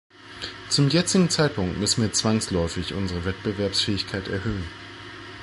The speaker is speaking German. Zum jetzigen Zeitpunkt müssen wir zwangsläufig unsere Wettbewerbsfähigkeit erhöhen.